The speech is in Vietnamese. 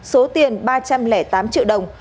số tiền ba trăm linh tám triệu đồng